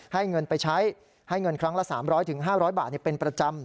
ให้เงินไปใช้ให้เงินครั้งละ๓๐๐๕๐๐บาทเป็นประจำ